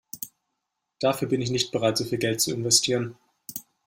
Dafür bin ich nicht bereit, so viel Geld zu investieren.